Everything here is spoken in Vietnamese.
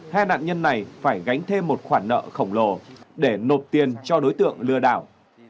hai nạn nhân này phải gánh thêm một khoản nợ khổng lồ để nộp tiền cho đối tượng lừa đảo